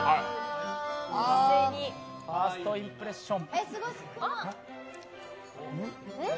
ファーストインプレッション。